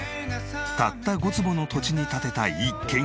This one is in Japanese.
たった５坪の土地に建てた一軒家。